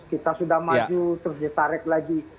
kita sudah maju terus ditarik lagi